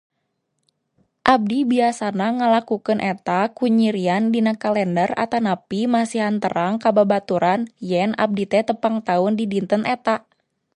Abdi biasana ngalakukeun eta ku nyirian dina kalender atanapi masihan terang ka babaturan yen abdi teh tepang taun di dinten eta.